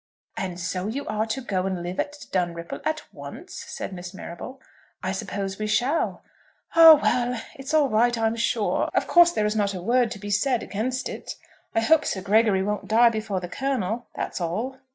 "And so you are to go and live at Dunripple at once," said Miss Marrable. "I suppose we shall." "Ah, well! It's all right, I'm sure. Of course there is not a word to be said against it. I hope Sir Gregory won't die before the Colonel. That's all."